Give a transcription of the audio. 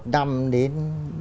một năm đến